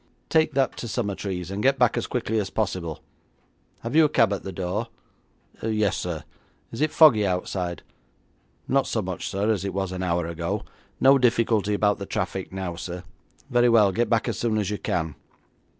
'Take that to Summertrees, and get back as quickly as possible. Have you a cab at the door?' 'Yes, sir.' 'Is it foggy outside?' 'Not so much, sir, as it was an hour ago. No difficulty about the traffic now, sir.' 'Very well, get back as soon as you can.'